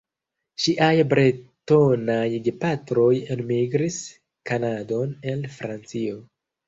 Ŝiaj bretonaj gepatroj enmigris Kanadon el Francio.